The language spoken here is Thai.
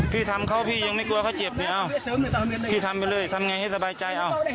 พี่ทำเขาพี่ยังไม่กลัวเขาเจ็บเลยเอาพี่ทำไปเลยทำไงให้สบายใจเอา